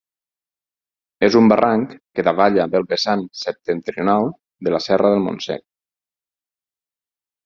És un barranc que davalla del vessant septentrional de la Serra del Montsec.